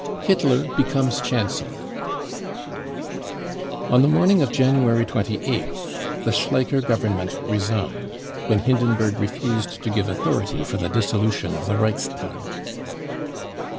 Hitler becomes Chancellor. On the ^morning of January 28th the Schleicher Government resigned, when Hindenburg refused to give authority for the dissolution of the Reichstag.